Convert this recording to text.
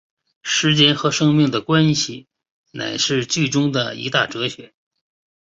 时间和生命的关系乃是剧中的一大哲学。